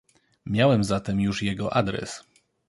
"Miałem zatem już jego adres."